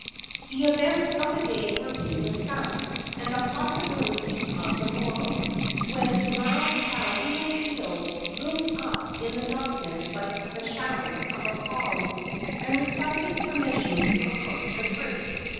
The events of the day were being discussed, and the possibilities of the morrow, when Maukaleoleo loomed up in the darkness like the shadow of a palm, and requested permission to approach the group.